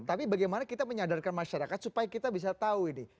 tapi bagaimana kita menyadarkan masyarakat supaya kita bisa tahu ini